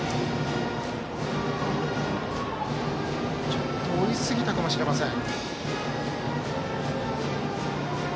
ちょっと追いすぎたかもしれません。